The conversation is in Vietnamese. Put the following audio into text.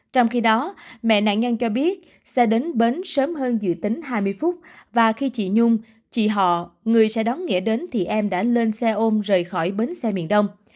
trong khi đó mẹ nạn nhân cho biết sẽ đến bến sớm hơn dự tính hai mươi phút và khi chị nhung chị họ người sẽ đón nghĩa đến thì em đã lên xe ôm rời khỏi bến xe miền đông